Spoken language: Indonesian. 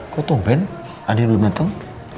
kok tuh ben andin belum dateng